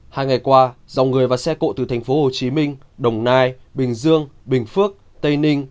hai ngày qua dòng người và xe cộ từ thành phố hồ chí minh đồng nai bình dương bình phước tây ninh